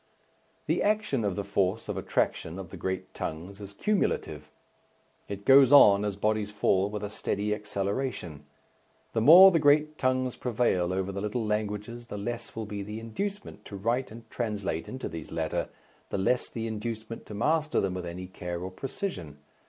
The action of the force of attraction of the great tongues is cumulative. It goes on, as bodies fall, with a steady acceleration. The more the great tongues prevail over the little languages the less will be the inducement to write and translate into these latter, the less the inducement to master them with any care or precision.